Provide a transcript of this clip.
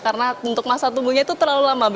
karena untuk masa tubuhnya itu terlalu lama